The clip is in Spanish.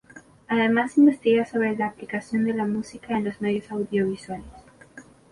Además, investiga sobre la aplicación de la música en los medios audiovisuales.